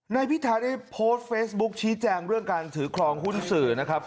นายพิธาได้โพสต์เฟซบุ๊คชี้แจงเรื่องการถือครองหุ้นสื่อนะครับ